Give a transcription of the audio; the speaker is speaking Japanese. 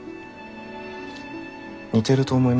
似てると思いますよ。